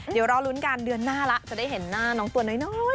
เดี๋ยวล้อนลุ้นกันเดือนหน้าจะได้เห็นน้องตัวน้อย